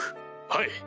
はい！